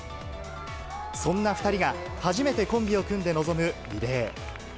そんな２人が初めてコンビを組んで臨むリレー。